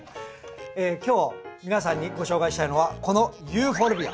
今日皆さんにご紹介したいのはこのユーフォルビア。